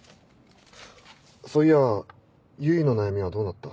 そういや唯の悩みはどうなった？